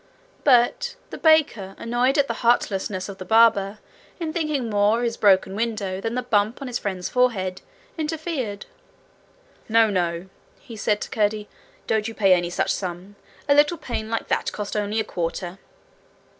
But the baker, annoyed at the heartlessness of the barber, in thinking more of his broken window than the bump on his friend's forehead, interfered. 'No, no,' he said to Curdie; 'don't you pay any such sum. A little pane like that cost only a quarter.'